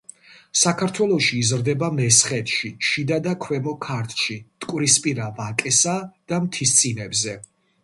საქართველოში იზრდება მესხეთში, შიდა და ქვემო ქართლში მტკვრისპირა ვაკესა და მთისწინებზე.